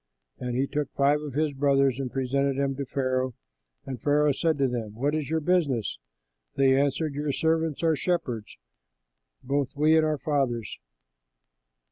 And he took five of his brothers and presented them to Pharaoh. Pharaoh said to them, "What is your business?" They answered, "Your servants are shepherds, both we and our fathers."